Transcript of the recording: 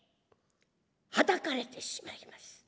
はたかれてしまいます。